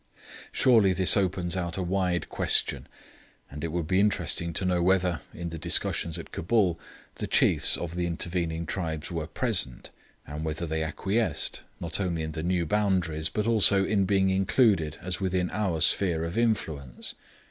Surely this opens out a wide question, and it would be interesting to know whether, in the discussions at Cabul, the chiefs of the intervening tribes were present, and whether they acquiesced, not only in the new boundaries, but also in being included as within our sphere of influence?